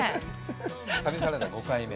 旅サラダ、５回目。